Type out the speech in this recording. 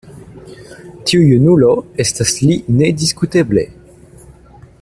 Tiu junulo estas li nediskuteble.